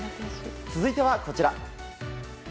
続いては、こちら。